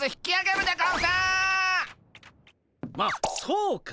あっそうか。